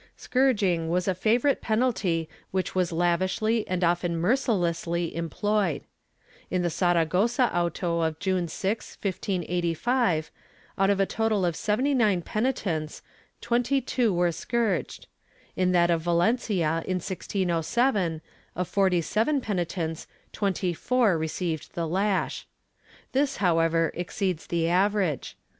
Scourging was a favorite penalty which was lavishly and often mercilessly employed. In the Saragossa auto of June 6, 1585, out of a total of seventy nine penitents, twenty two were scourged ; in that of Valencia, in 1607, of forty seven penitents, twenty four received the lash,^ This, however, exceeds the average.